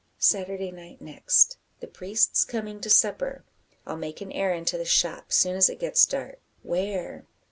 "Saturday night next. The priest's coming to supper. I'll make an errand to the shop, soon as it gets dark." "Where?"